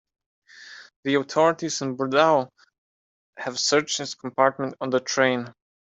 The authorities in Bordeaux have searched his compartment on the train.